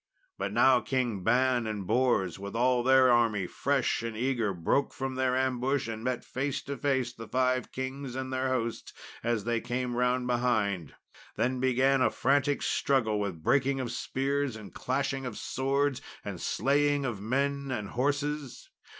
But now Kings Ban and Bors, with all their army fresh and eager, broke from their ambush and met face to face the five kings and their host as they came round behind, and then began a frantic struggle with breaking of spears and clashing of swords and slaying of men and horses.